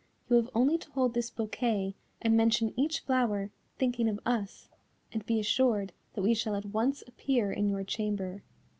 You have only to hold this bouquet, and mention each flower, thinking of us, and be assured that we shall at once appear in your chamber."